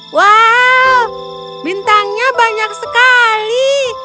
wow bintangnya banyak sekali